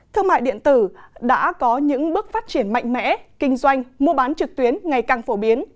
thương mại điện tử đã có những bước phát triển mạnh mẽ kinh doanh mua bán trực tuyến ngày càng phổ biến